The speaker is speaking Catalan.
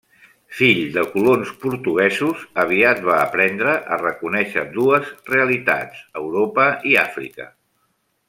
Fill de colons portuguesos, aviat va aprendre a reconèixer dues realitats, Europa i Àfrica.